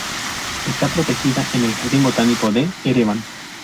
Está protegida en el Jardín Botánico de Ereván.